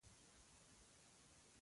د مشیمیې پرده د سترګې منځنۍ پرده ده.